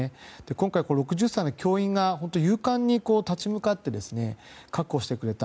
今回、６０歳の教員が本当に勇敢に立ち向かって確保してくれた。